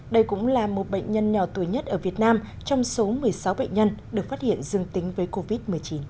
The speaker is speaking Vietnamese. đây cũng là một bệnh nhân nhỏ tuổi nhất ở việt nam trong số một mươi sáu bệnh nhân được phát hiện dương tính với covid một mươi chín